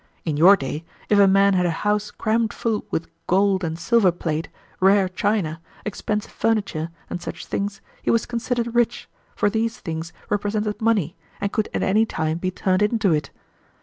In your day, if a man had a house crammed full with gold and silver plate, rare china, expensive furniture, and such things, he was considered rich, for these things represented money, and could at any time be turned into it.